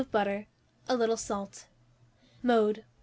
of butter, a little salt. Mode.